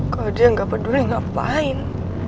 kalo dia gak peduli ngapain